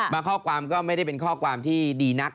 ข้อความก็ไม่ได้เป็นข้อความที่ดีนัก